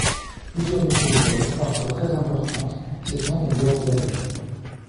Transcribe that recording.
Plusieurs nécropoles, parfois très importantes, s'étendent en dehors de la ville.